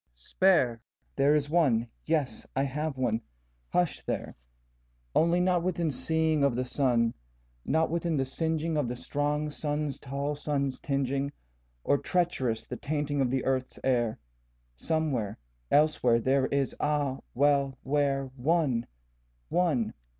THE GOLDEN ECHOSpare! There ís one, yes I have one (Hush there!);Only not within seeing of the sun, Not within the singeing of the strong sun, Tall sun's tingeing, or treacherous the tainting of the earth's air, Somewhere elsewhere there is ah well where! one, Oné.